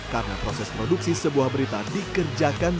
karena proses produksi sebuah berita dikerjakan